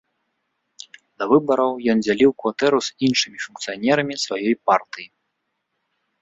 Да выбараў ён дзяліў кватэру з іншымі функцыянерамі сваёй партыі.